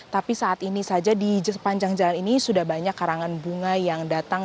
tapi saat ini saja di sepanjang jalan ini sudah banyak karangan bunga yang datang